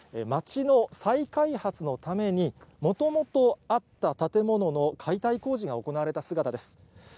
町の再開発のために、もともとあった建物の解体工事が行われた姿です。